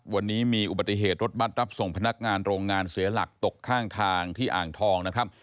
วันนี้มีอุบัติเหตุรถบัตรรับส่งพนักงานโรงงานเสียหลักตกข้างทางที่อ่างทองนะครับ